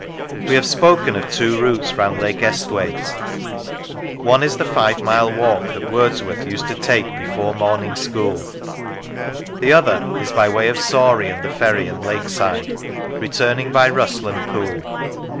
We have spoken of two routes round Lake Esthwaite. One is the five mile walk that Wordsworth used to take before morning school; the other is by way of Sawrey and the Ferry and Lakeside, returning by Rusland Pool.